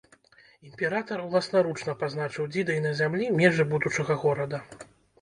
Імператар уласнаручна пазначыў дзідай на зямлі межы будучага горада.